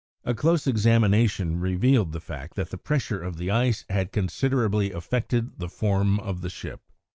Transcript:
A close examination revealed the fact that the pressure of the ice had considerably affected the form of the ship.